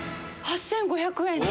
８５００円。